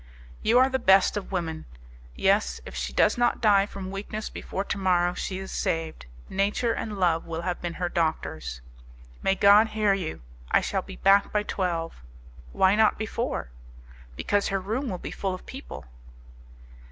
"You are the best of women. Yes, if she does not die from weakness before to morrow, she is saved; nature and love will have been her doctors." "May God hear you! I shall be back by twelve." "Why not before?" "Because her room will be full of people."